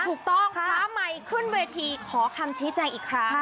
ถูกต้องคำใหม่ขึ้นเวทีขอคำชิดแจงอีกครั้งค่ะ